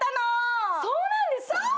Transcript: そうなんですか？